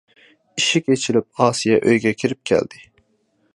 ئىشىك ئېچىلىپ ئاسىيە ئۆيگە كىرىپ كەلدى.